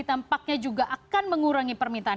tampaknya juga akan mengurangi permintaan